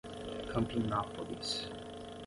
Campinápolis